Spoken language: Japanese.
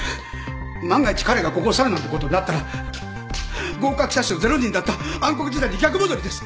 万が一彼がここを去るなんてことになったら合格者数０人だった暗黒時代に逆戻りです。